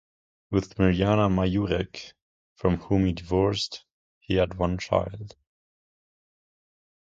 With Mirjana Majurec, from whom he divorced, he had one child.